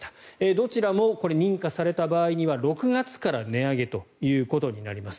どちらも認可された場合には６月から値上げということになります。